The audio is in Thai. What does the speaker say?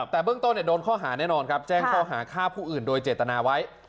แต่เบื้องต้นโดนข้อหาแน่นอนครับแจ้งข้อหาฆ่าผู้อื่นโดยเจตนาไว้